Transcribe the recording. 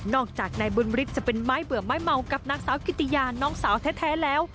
จากนายบุญฤทธิ์จะเป็นไม้เบื่อไม้เมากับนางสาวกิติยาน้องสาวแท้แล้ว